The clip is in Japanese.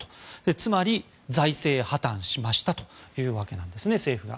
つまり、財政破綻しましたというわけです政府が。